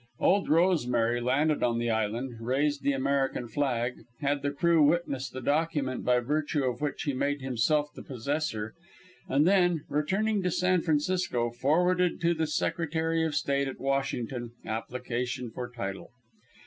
"Old Rosemary" landed on the island, raised the American flag, had the crew witness the document by virtue of which he made himself the possessor, and then, returning to San Francisco, forwarded to the Secretary of State, at Washington, application for title.